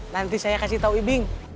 nanti saya kasih tahu ibing